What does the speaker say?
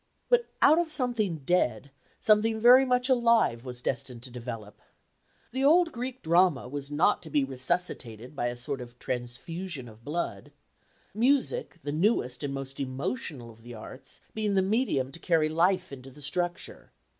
But out of something dead, something very much alive was destined to develop. The old Greek drama was not to be resuscitated by a sort of transfusion of blood music, the newest and most emotional of the arts, being the medium to carry life into the structure.